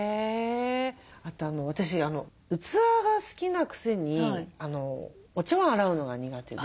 あと私器が好きなくせにお茶わん洗うのが苦手で。